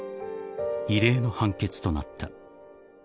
［異例の判決となった］